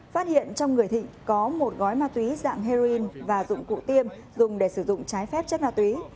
phát hiện trong người thịnh có một gói ma túy dạng heroin và dụng cụ tiêm dùng để sử dụng trái phép chất ma túy